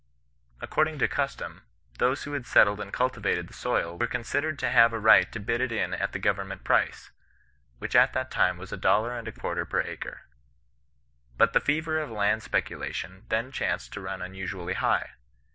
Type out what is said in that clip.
According to custom, those who had settled and cultiy&ted the soil were considered to have a right cHsisniN iroir BESisTANos. 157 to bid it in at the government price, which at that time was a dollar and a quarts per acre. But the fever of land speculation then chanced to run unusually high.